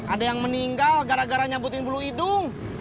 ada yang meninggal gara gara nyabutin bulu hidung